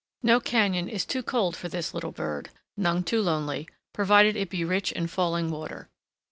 No cañon is too cold for this little bird, none too lonely, provided it be rich in falling water.